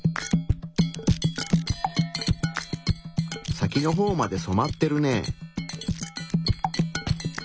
先のほうまで染まってるね。